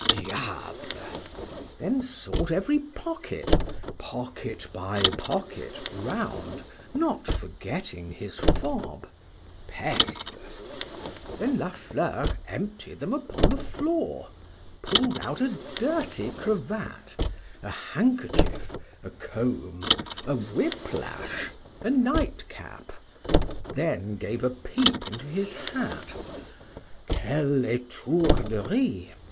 —Diable! then sought every pocket—pocket by pocket, round, not forgetting his fob:—Peste!—then La Fleur emptied them upon the floor,—pulled out a dirty cravat,—a handkerchief,—a comb,—a whip lash,—a nightcap,—then gave a peep into his hat,—Quelle étourderie!